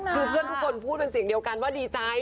คือเพื่อนทุกคนพูดเป็นเสียงเดียวกันว่าดีใจ